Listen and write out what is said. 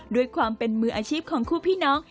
ด้วยความเป็นมืออาชีพของคู่พี่น้อง